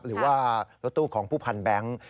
หรือว่ารถตู้ของผู้พันแบงค์